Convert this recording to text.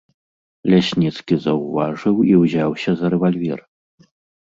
Лясніцкі заўважыў і ўзяўся за рэвальвер.